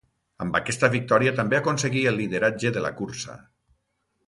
Amb aquesta victòria també aconseguí el lideratge de la cursa.